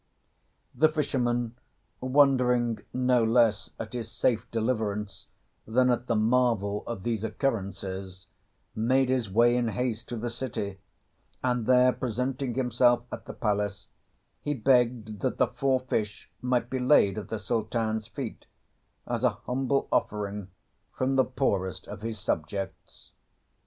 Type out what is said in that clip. The fisherman, wondering no less at his safe deliverance than at the marvel of these occurrences, made his way in haste to the city; and there presenting himself at the palace he begged that the four fish might be laid at the Sultan's feet, as a humble offering from the poorest of his subjects.